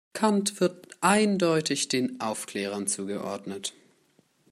Kant wird eindeutig den Aufklärern zugeordnet.